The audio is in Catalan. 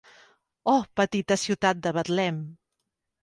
Oh petita ciutat de Betlem.